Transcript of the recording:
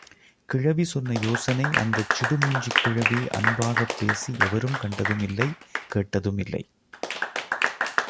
கிழவி சொன்ன யோசனை அந்தச் சிடுமூஞ்சிக் கிழவி அன்பாகப் பேசி எவரும் கண்டதும் இல்லை கேட்டதும் இல்லை.